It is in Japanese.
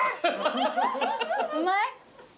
うまい？